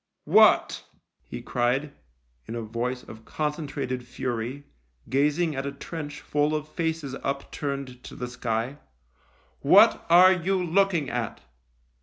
" What," he cried, in a voice of concentrated fury, gazing at a trench full of faces upturned to the sky, " what are you looking at